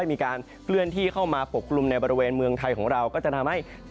มีการเคลื่อนที่เข้ามาปกกลุ่มในบริเวณเมืองไทยของเราก็จะทำให้